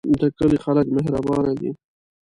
د کلی خلک مهربانه دي